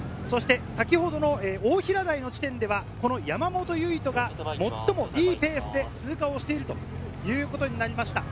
先ほど大平台の地点では山本唯翔が最もいいペースで通過しているということになります。